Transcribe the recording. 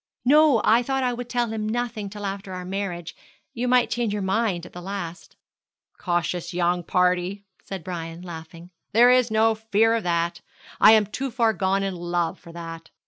'No; I thought I would tell him nothing till after our marriage. You might change your mind at the last.' 'Cautious young party,' said Brian, laughing. 'There is no fear of that. I am too far gone in love for that.